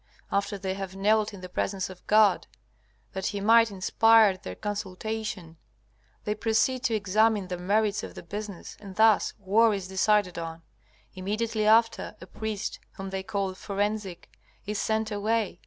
After they have knelt in the presence of God, that he might inspire their consultation, they proceed to examine the merits of the business, and thus war is decided on. Immediately after, a priest, whom they call Forensic, is sent away.